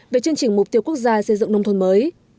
về chương trình mục tiêu quốc gia xây dựng nông thôn mới